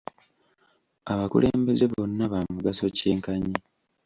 Abakulembeze bonna ba mugaso kye nkanyi.